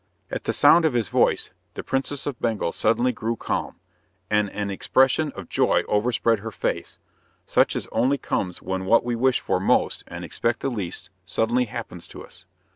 At the sound of his voice, the Princess of Bengal suddenly grew calm, and an expression of joy overspread her face, such as only comes when what we wish for most and expect the least suddenly happens to us.